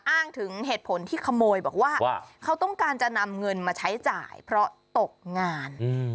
อ้างถึงเหตุผลที่ขโมยบอกว่าเขาต้องการจะนำเงินมาใช้จ่ายเพราะตกงาน